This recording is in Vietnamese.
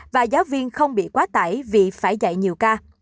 và giáo viên không bị quá tải vì phải dạy nhiều ca